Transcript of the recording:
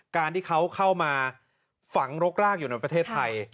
การที่เขาเข้ามาฝังรกรากอยู่ในประเทศไทย